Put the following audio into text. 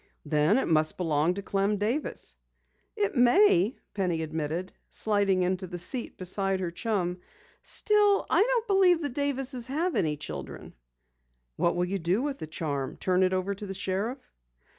"Then it must belong to Clem Davis!" "It may," Penny admitted, sliding into the seat beside her chum. "Still, I don't believe the Davis' have any children." "What will you do with the charm? Turn it over to the sheriff?"